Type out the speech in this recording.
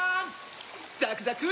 ザクザク！